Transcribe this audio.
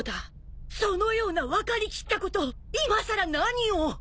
そのような分かりきったこといまさら何を！？